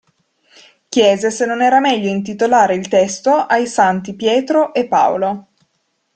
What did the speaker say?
Chiese se non era meglio intitolar il testo ai Santi Pietro e Paolo.